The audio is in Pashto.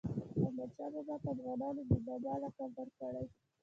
احمدشاه بابا ته افغانانو د "بابا" لقب ورکړی.